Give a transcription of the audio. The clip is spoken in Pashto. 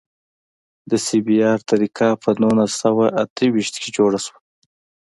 د سی بي ار طریقه په نولس سوه اته ویشت کې جوړه شوه